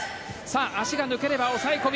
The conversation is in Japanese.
足が抜ければ抑え込み。